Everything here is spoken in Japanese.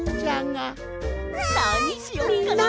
なにしよっかな？